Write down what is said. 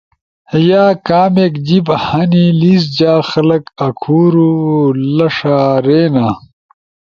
۔ یا کامک جیِب ہنی لیس جا خلگ آکھُورو لݜا رینا؟